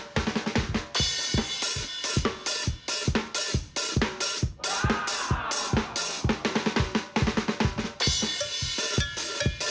เดี๋ยวนะกระด่วงแตกไหมคะ